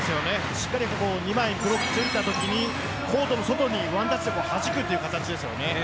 しっかり２枚ブロックついたときにコートの外に、ワンタッチではじくという形ですよね。